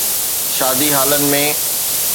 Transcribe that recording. شادي هالن ۾.